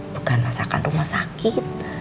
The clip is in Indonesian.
bukan masakan rumah sakit